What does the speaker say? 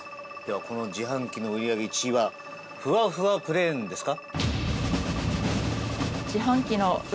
この自販機の売り上げ１位はふわふわプレーンですか？